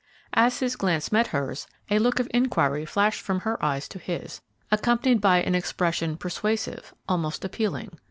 As his glance met hers, a look of inquiry flashed from her eyes to his, accompanied by an expression persuasive, almost appealing.